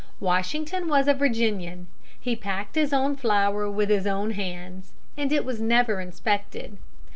Washington was a Virginian. He packed his own flour with his own hands, and it was never inspected.